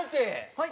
はい。